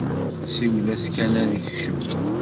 Siwel-as kan ad d-ikcem!